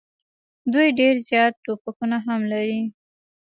دوی ډېر زیات توپکونه هم لري.